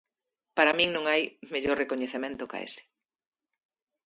Para min non hai mellor recoñecemento ca ese.